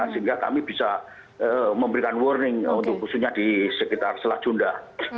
sehingga kami bisa memberikan warning untuk khususnya di sekitar selat sunda